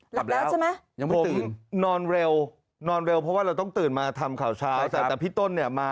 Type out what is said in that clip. หลับแล้วใช่ไหมยังไม่ตื่นตั้งแต่ตอนถึง